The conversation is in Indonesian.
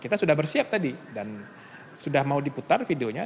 kita sudah bersiap tadi dan sudah mau diputar videonya